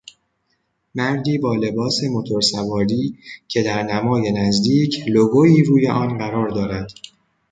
مردی با لباس موتورسواری، که در نمای نزدیک لوگویی روی آن قرار دارد.